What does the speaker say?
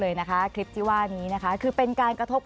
ร้อยตำรวจเอกร้อยตำรวจเอกร้อยตำรวจเอก